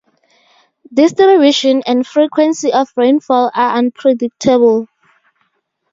Distribution and frequency of rainfall are unpredictable.